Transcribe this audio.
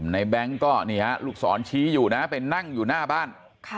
แบงค์ก็นี่ฮะลูกศรชี้อยู่นะไปนั่งอยู่หน้าบ้าน